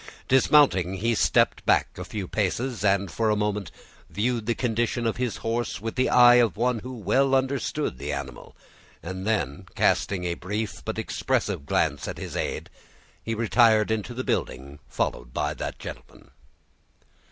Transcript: Dismounting, he stepped back a few paces, and for a moment viewed the condition of his horse with the eye of one who well understood the animal, and then, casting a brief but expressive glance at his aid, he retired into the building, followed by that gentleman.